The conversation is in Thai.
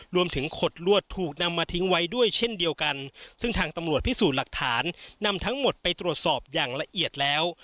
ขดลวดถูกนำมาทิ้งไว้ด้วยเช่นเดียวกันซึ่งทางตำรวจพิสูจน์หลักฐานนำทั้งหมดไปตรวจสอบอย่างละเอียดแล้ว